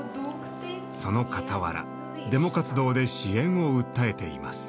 そのかたわらデモ活動で支援を訴えています。